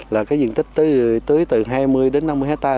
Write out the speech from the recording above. là cái diện tích tưới từ hai mươi đến năm mươi hectare